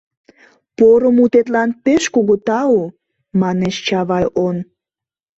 — Поро мутетлан пеш кугу тау, — манеш Чавай он.